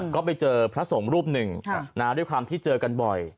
ก็ไปเจอพระสงฆ์รูปหนึ่งด้วยความที่เจอกันบ่อย